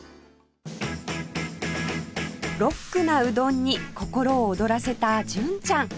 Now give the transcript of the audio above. ロックなうどんに心を躍らせた純ちゃん